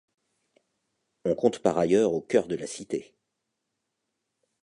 On compte par ailleurs au cœur de la cité.